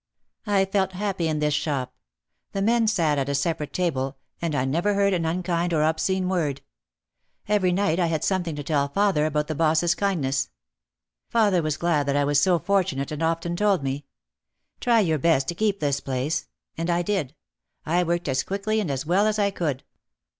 I felt happy in this shop. The men sat at a separate table and I never heard an unkind or obscene word. Every night I had something to tell father about the boss's kindness. Father was glad that I was so fortunate and often told me, "Try your best to keep this place." And I did. I worked as quickly and as well as I could.